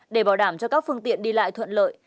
để bảo đảm cho các phương tiện đi lại thuận lợi